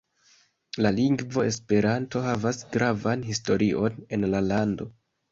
La lingvo Esperanto havas gravan historion en la lando.